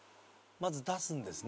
まず出すんですね